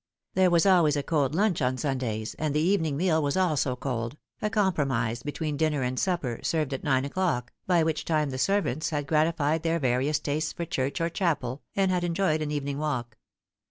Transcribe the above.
There was always a cold lunch on Sundays, and the evening meal was also cold, a compromise between dinner and supper, served at nine o'clock, by which time the servants had gratified Without the Wolf. 43 their various tastes for church or chapel, and had enjoyed an evening walk.